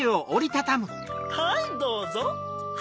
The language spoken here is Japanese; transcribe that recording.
はいどうぞ。